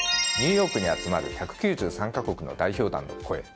ニューヨークに集まる１９３か国の代表団の声。